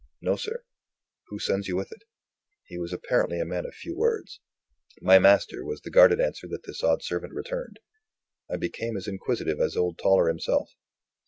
"No, sir." "Who sends you with it?" He was apparently a man of few words. "My master," was the guarded answer that this odd servant returned. I became as inquisitive as old Toller himself.